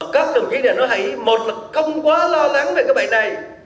các ông chí để nói hay một là không quá lo lắng về cái bệnh này